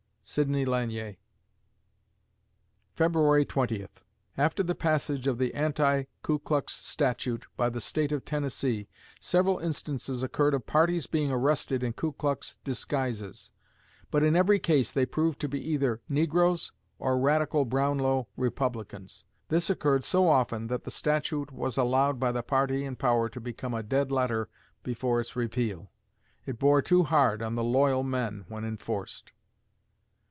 SIDNEY LANIER February Twentieth After the passage of the Anti Ku Klux Statute by the State of Tennessee, several instances occurred of parties being arrested in Ku Klux disguises; but in every case they proved to be either negroes or "radical" Brownlow Republicans. This occurred so often that the statute was allowed by the party in power to become a dead letter before its repeal. It bore too hard on the "loyal" men when enforced.